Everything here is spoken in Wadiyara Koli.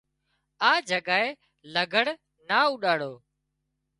آ جڳائي لگھڙ نا اوڏاڙو